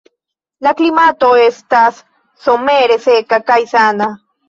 La klimato estas somere seka kaj sana.